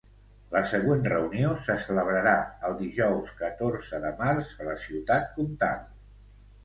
La següent reunió se celebrarà el dijous catorze de març a la ciutat Comtal.